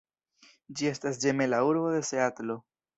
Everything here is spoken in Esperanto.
Ĝi estas ĝemela urbo de Seatlo.